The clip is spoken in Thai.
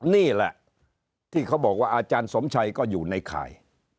นี่แหละที่เขาบอกว่าอาจารย์สมชัยก็อยู่ในข่าย